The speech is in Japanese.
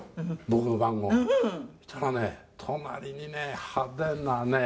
僕の番号」「そしたらね隣にね派手なね